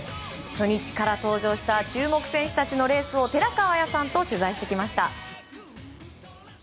初日から登場した注目選手たちのレースを寺川綾さんと取材してきました。